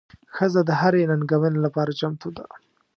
ښځه د هرې ننګونې لپاره چمتو ده.